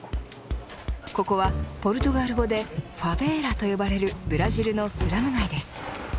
ここは、ポルトガル語でファベーラと呼ばれるブラジルのスラム街です。